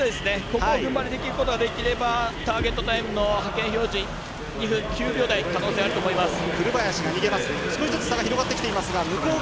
ここを踏ん張りきることができればターゲットタイムの２分９秒台可能性あると思います。